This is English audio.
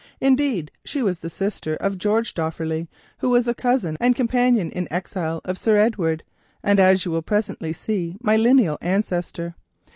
Indeed, she was the sister of Geoffrey Dofferleigh, who was a first cousin and companion in exile of Sir Edward's, and as you will presently see, my lineal ancestor.